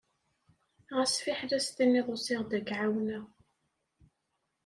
Ɣas fiḥel ad s-tiniḍ usiɣ-d ad k-εawneɣ.